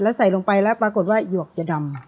แล้วใส่ลงไปแล้วปรากฏว่าหยวกจะดำ